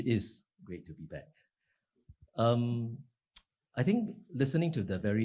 tidak bisa mengunjungi satu sama lain